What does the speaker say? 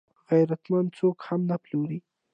غیرتمند څوک هم نه پلوري